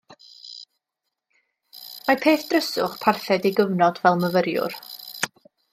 Mae peth dryswch parthed ei gyfnod fel myfyriwr.